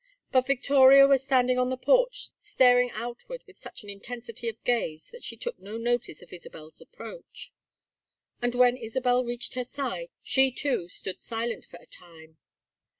But Victoria was standing on the porch staring outward with such an intensity of gaze that she took no notice of Isabel's approach. And when Isabel reached her side, she too stood silent for a time.